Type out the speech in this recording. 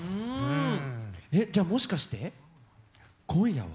えっじゃあもしかして今夜は？